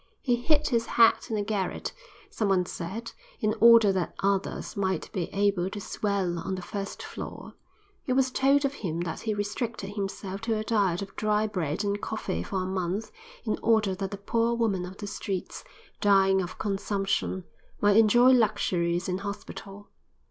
He hid his head in a garret, some one said, in order that others might be able to swell on the first floor. It was told of him that he restricted himself to a diet of dry bread and coffee for a month in order that a poor woman of the streets, dying of consumption, might enjoy luxuries in hospital.